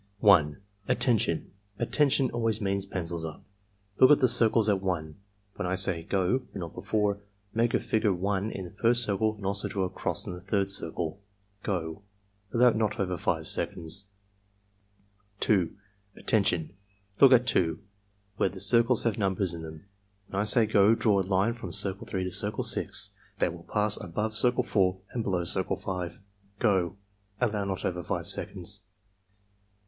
"Attention! 'Attention' always means 'Pencils up.' Look at the circles at 1. When I say 'go' but not before, make a figure 1 in the first circle and also a cross in the third circle. — Go!" (Allow not over 5 seconds.) 2. "Attention! Look at 2, where the circles have numbers in them. When I say 'go' draw a line from Circle 3 to Circle 6 that will pass above Circle 4 and below Circle 5. — Go!" (Allow not over 5 seconds.)